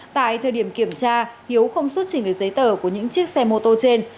tại thời điểm kiểm tra hiếu không xuất trình được giấy tờ của những chiếc xe mô tô trên